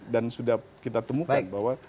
dan sudah kita temukan